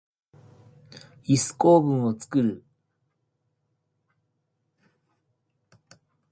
ヒス構文をつくる。